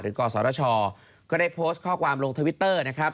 กศชก็ได้โพสต์ข้อความลงทวิตเตอร์นะครับ